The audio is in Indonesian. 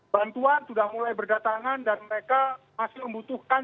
bantuan sudah mulai berdatangan dan mereka masih membutuhkan